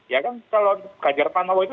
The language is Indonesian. ya kan kalau ganjar panowo itu